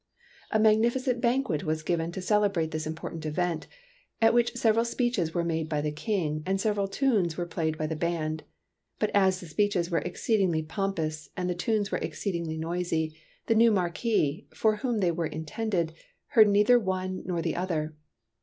A magnificent banquet was given to celebrate this important event, at which several speeches were made by the King and several tunes were played by the band ; but as the speeches were exceedingly pompous and the tunes were ex ceedingly noisy, the new Marquis, for whom they were intended, heard neither one nor the other.